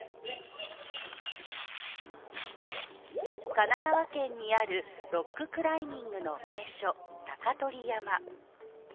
神奈川県にあるロッククライミングの名所鷹取山。